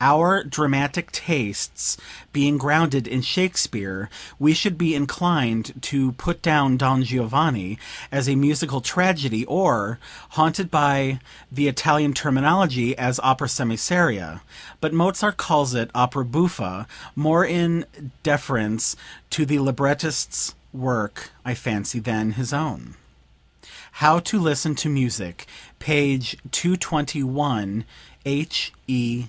Our dramatic tastes being grounded in Shakespeare, we should be inclined to put down 'Don Giovanni' as a musical tragedy; or, haunted by the Italian terminology, as opera semiseria; but Mozart calls it opera buffa, more in deference to the librettist's work, I fancy, than his own." "How to Listen to Music," page 221. H.E.